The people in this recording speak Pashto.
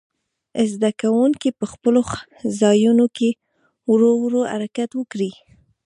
زده کوونکي په خپلو ځایونو کې ورو ورو حرکت وکړي.